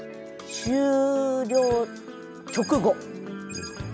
終了直後。